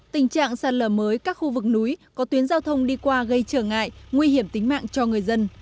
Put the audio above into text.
tình trạng sạt lở mới các khu vực núi có tuyến giao thông đi qua gây trở ngại nguy hiểm tính mạng cho người dân